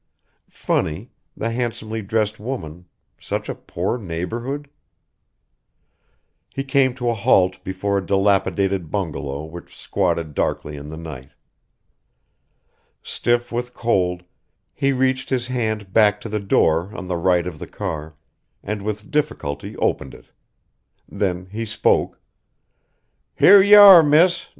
Funny the handsomely dressed woman such a poor neighborhood He came to a halt before a dilapidated bungalow which squatted darkly in the night. Stiff with cold, he reached his hand back to the door on the right of the car, and with difficulty opened it. Then he spoke: "Here y'are, miss No.